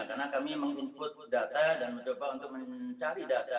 karena kami meng input data dan mencoba untuk mencari data